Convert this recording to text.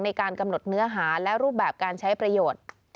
ในการกำหนดเนื้อหาและรูปแบบการใช้ประโยชน์